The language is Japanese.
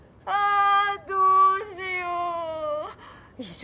ああ。